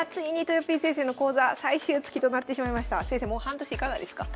もう半年いかがですか？